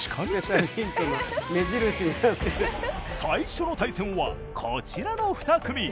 最初の対戦はこちらの２組。